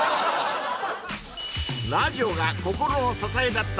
ラジオが心の支えだった